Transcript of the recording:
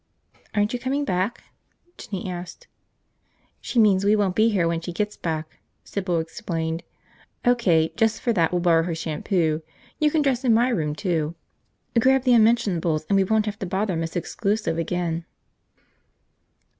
"Aren't you coming back?" Jinny asked. "She means we won't be here when she gets back," Sybil explained. "O.K., just for that, we'll borrow her shampoo. You can dress in my room, too. Grab the unmentionables and we won't have to bother Miss Exclusive again."